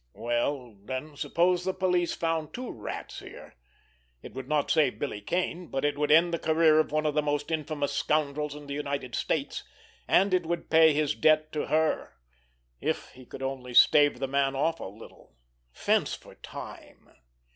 Well then, suppose the police found two Rats here? It would not save Billy Kane, but it would end the career of one of the most infamous scoundrels in the United States—and it would pay his debt to her! If he could only stave the man off a little, fence for time!